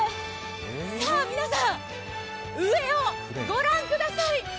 皆さん、上をご覧ください。